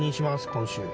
今週。